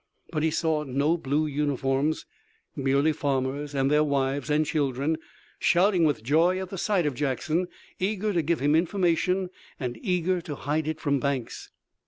But he saw no blue uniforms, merely farmers and their wives and children, shouting with joy at the sight of Jackson, eager to give him information, and eager to hide it from Banks.